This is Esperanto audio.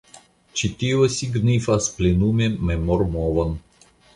Ĉi tio signifas plenumi memormovon.